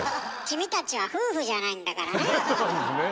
君たちは夫婦じゃないんだからね。